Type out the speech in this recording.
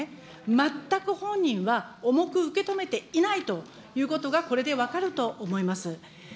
全く本人は重く受け止めていないということが、これで分かると思います。